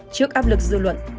trước áp lực dư luận